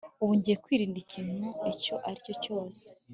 ubu ngiye kwirinda ikintu icyo ari cyo cyose